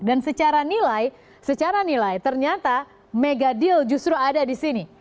secara nilai secara nilai ternyata mega deal justru ada di sini